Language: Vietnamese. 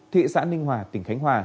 thị xã ninh hòa tỉnh khánh hòa